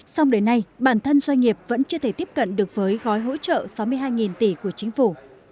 xong đến nay bản thân doanh nghiệp vẫn chưa thể tiếp cận được với gói hỗ trợ sáu mươi hai tỷ của chính phủ